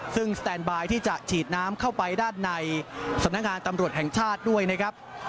ซึ่งสแตนบายที่จะฉีดน้ำเข้าไปด้านในสำนักงานตำรวจแห่งชาติด้วยนะครับ